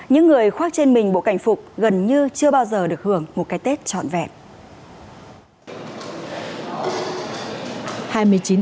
những người khoác trên mình bộ cảnh phục gần như chưa bao giờ được hưởng một cái tết trọn vẹn